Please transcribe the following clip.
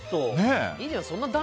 いいじゃん。